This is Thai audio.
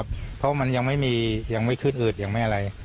เพราะมันยังไม่มียังไม่ขึ้นอืดยังไม่อะไร